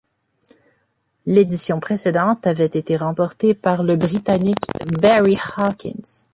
L'édition précédente avait été remportée par le Britannique Barry Hawkins.